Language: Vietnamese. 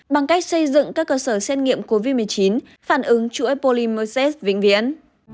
bằng cách xây dựng các cơ sở xét nghiệm covid một mươi chín phản ứng chuỗi epolymerset vĩnh viễn